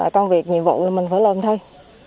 công việc nhiệm vụ thì mình phải làm thôi